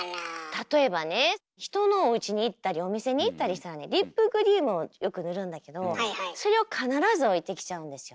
例えばね人のおうちに行ったりお店に行ったりしたらねリップクリームをよく塗るんだけどそれを必ず置いてきちゃうんですよ。